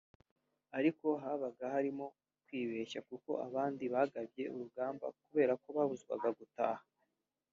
Ariko habaga harimo kwibeshya kuko abandi bagabye urugamba kubera ko babuzwaga gutahuka